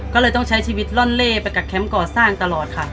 ก็เลยต้องใช้ชีวิตล่อนเล่ไปกับแคมป์ก่อสร้างตลอดค่ะ